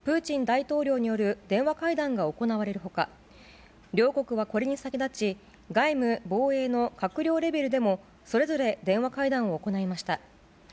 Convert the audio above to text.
１２日に、バイデン大統領とプーチン大統領による電話会談が行われるほか、両国はこれに先立ち、外務・防衛の閣僚レベルでも、それぞれ電話会談を行いました。